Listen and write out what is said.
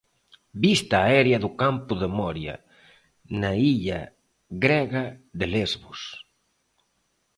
Vista aérea do campo de Moria, na illa grega de Lesbos.